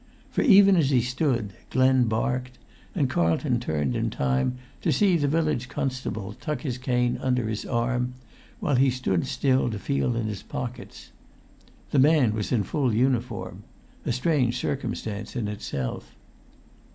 For, even as he stood, Glen barked, and Carlton turned in time to see the village constable tuck his cane under his arm while he stood still to feel in his pockets. The man was in full uniform—a strange circumstance in itself.